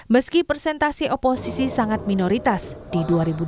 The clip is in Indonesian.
meski presentasi oposisi sangat minoritas di dua ribu dua puluh empat dua ribu dua puluh sembilan